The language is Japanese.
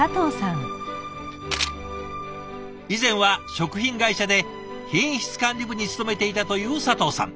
以前は食品会社で品質管理部に勤めていたという佐藤さん。